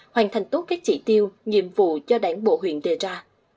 hoàn thành tốt các chỉ tiêu nhiệm vụ do đảng bộ huyện đề ra